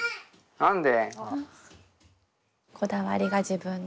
何で？